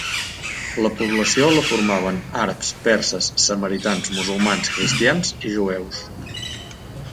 La població la formaven àrabs, perses, samaritans, musulmans, cristians i jueus.